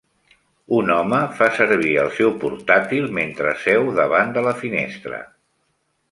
Un home fa servir el seu portàtil mentre seu davant de la finestra.